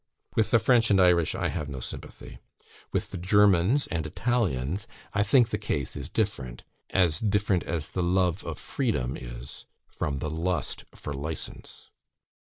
With the French and Irish I have no sympathy. With the Germans and Italians I think the case is different; as different as the love of freedom is from the lust for license."